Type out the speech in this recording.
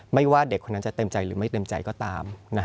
ว่าเด็กคนนั้นจะเต็มใจหรือไม่เต็มใจก็ตาม